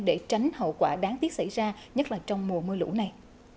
để tránh hậu quả đáng tiếc xảy ra nhất là trong mùa mưa lũ này